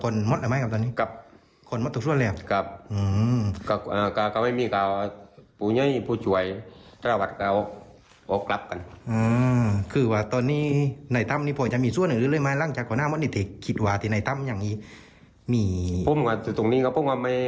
นะครับแล้วทำไงยังไง